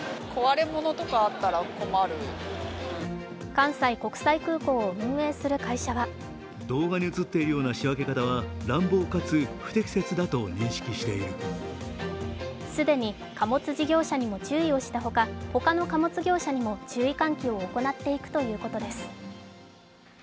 関西国際空港を運営する会社は既に貨物事業者にも注意をしたほかほかの貨物業者にも注意喚起を行っていくということです。